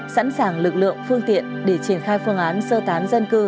sẵn sàng lực lượng phương tiện để triển khai phương án sơ tán dân cư